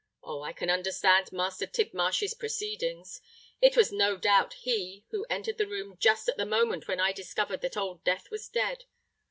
Oh! I can understand Master Tidmarsh's proceedings! It was no doubt he who entered the room just at the moment when I discovered that Old Death was dead.